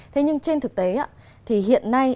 thế nhưng trên thực tế thì hiện nay